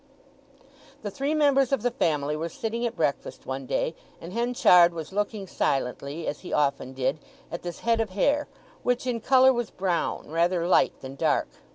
The three members of the family were sitting at breakfast one day, and Henchard was looking silently, as he often did, at this head of hair, which in colour was brown—rather light than dark.